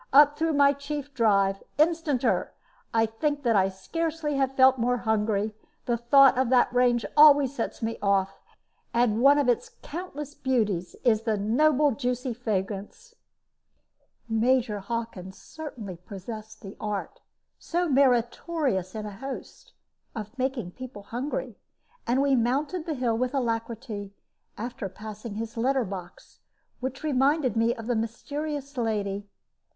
Up through my chief drive, instanter! I think that I scarcely ever felt more hungry. The thought of that range always sets me off. And one of its countless beauties is the noble juicy fragrance." Major Hockin certainly possessed the art so meritorious in a host of making people hungry; and we mounted the hill with alacrity, after passing his letter box, which reminded me of the mysterious lady.